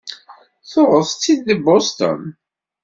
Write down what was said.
Tuɣeḍ-tt-id deg Boston?